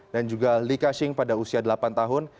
dan juga li ka shing pada usia delapan tahun